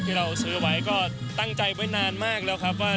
ที่เราซื้อไว้ก็ตั้งใจไว้นานมากแล้วครับว่า